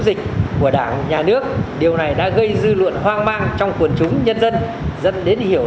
dịch của đảng nhà nước điều này đã gây dư luận hoang mang trong quần chúng nhân dân dẫn đến hiểu